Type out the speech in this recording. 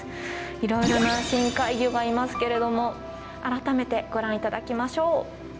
いろいろな深海魚がいますけれども改めてご覧いただきましょう。